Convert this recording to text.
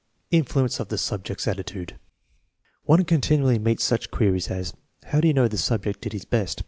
Influence of the subject's attitude One continually meets such queries as, "How do you know the subject did his best?